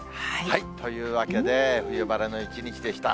というわけで、冬晴れの一日でした。